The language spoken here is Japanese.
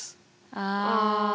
ああ。